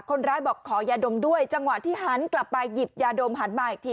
คนร้ายบอกขอยาดมด้วยจังหวะที่หันกลับไปหยิบยาดมหันมาอีกที